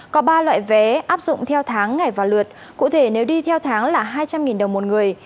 có ba loại vé áp dụng theo tháng ngày và lượt cụ thể nếu đi theo tháng là hai trăm linh đồng một người